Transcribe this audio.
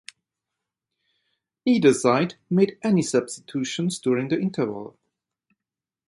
Neither side made any substitutions during the interval.